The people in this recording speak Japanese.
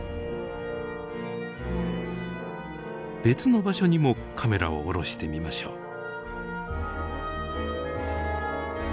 別の場所にもカメラを下ろしてみましょう。